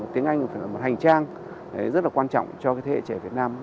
tiếng anh là một hành trang rất là quan trọng cho cái thế hệ trẻ việt nam